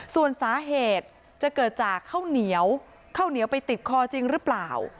ส่วนสาเหตุจะเกิดจากข้าวเหนียวข้าวเหนียวไปติดคอจริงหรือเปล่า